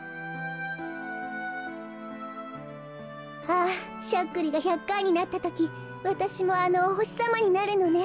あぁしゃっくりが１００かいになったときわたしもあのおほしさまになるのね。